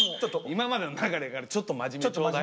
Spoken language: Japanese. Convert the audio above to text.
今までの流れからちょっと真面目頂戴。